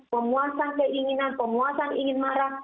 memuaskan keinginan pemuasan ingin marah